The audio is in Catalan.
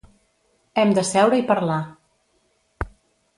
Hem de seure i parlar.